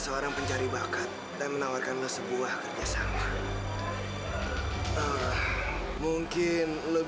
sampai jumpa di video selanjutnya